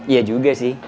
iya juga sih